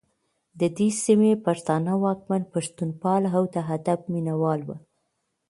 د دې سیمې پښتانه واکمن پښتوپال او د ادب مینه وال وو